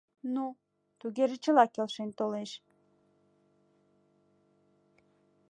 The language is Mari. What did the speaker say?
— Ну, тугеже чыла келшен толеш.